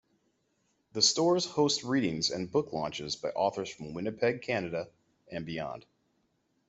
The stores host readings and book launches by authors from Winnipeg, Canada and beyond.